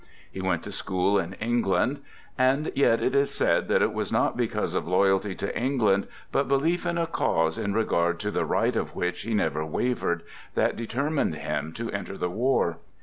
He went to school in England. And yet it is said that it was not because of loyalty to England, but belief in a cause in regard to the right of which he never wavered, that determined him to enter the war.